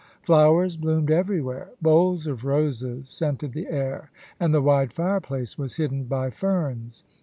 Flowers bloomed everywhere; bowls of roses scented the air, and the wide fireplace was hidden by ferns.